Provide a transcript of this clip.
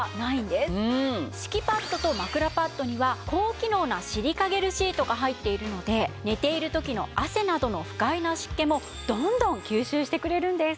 敷きパッドと枕パッドには高機能なシリカゲルシートが入っているので寝ている時の汗などの不快な湿気もどんどん吸収してくれるんです！